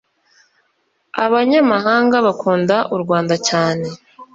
Abanyamahanga bakunda u’rwanda cyane